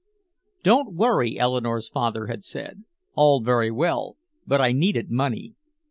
"Don't hurry," Eleanore's father had said. All very well, but I needed money.